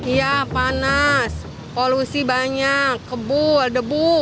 iya panas polusi banyak kebul debu